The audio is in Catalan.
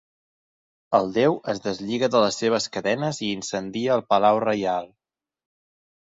El déu es deslliga de les seves cadenes i incendia el palau reial.